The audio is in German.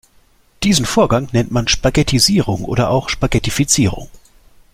Diesen Vorgang nennt man Spaghettisierung oder auch Spaghettifizierung.